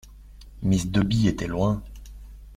Miss Dobby était loin.